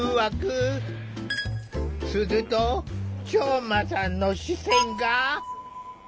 するとショウマさんの視線が。